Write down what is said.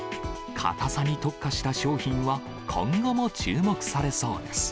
かたさに特化した商品は、今後も注目されそうです。